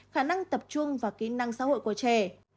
khả năng tập trung vào kỹ năng xã hội của trẻ